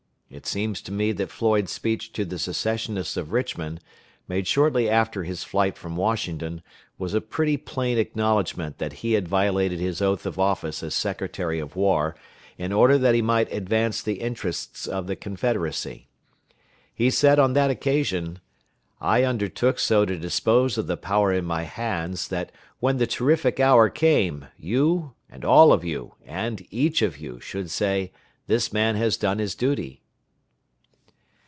It seems to me that Floyd's speech to the Secessionists of Richmond, made shortly after his flight from Washington, was a pretty plain acknowledgment that he had violated his oath of office as Secretary of War, in order that he might advance the interests of the Confederacy. He said on that occasion, "I undertook so to dispose of the power in my hands that when the terrific hour came, you, and all of you, and each of you, should say, 'This man has done his duty.'"